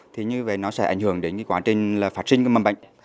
thì như vậy nó sẽ ảnh hưởng đến quá trình phát sinh của mầm bệnh